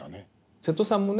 瀬戸さんもね